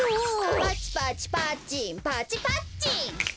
「パチパチパッチンパチ・パッチン」